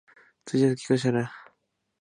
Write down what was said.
ツウィちゃんと結婚したいな